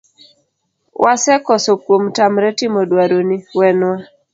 wasekoso kuom tamre timo dwaroni, wenwa.